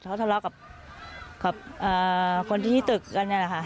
เขาทะเลาะกับคนที่ตึกกันนี่แหละค่ะ